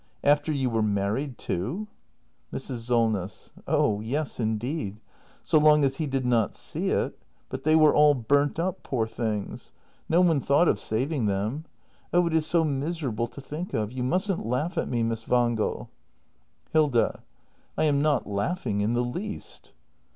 After you were married, too? Mrs. Solness. Oh yes, indeed. So long as he did not see it . But they were all burnt up, poor things. No one thought act in] THE MASTER BUILDER 305 of saving them. Oh, it is so miserable to think of. You mustn't laugh at me, Miss Wangel. Hilda. I am not laughing in the least.